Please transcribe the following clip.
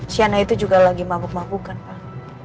sienna itu juga lagi mabuk mabuk kan pak